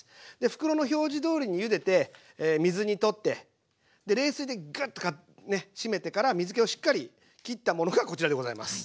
袋の表示どおりにゆでて水にとって冷水でガッと締めてから水けをしっかりきったものがこちらでございます。